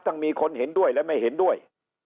มีคนเห็นด้วยและไม่เห็นด้วย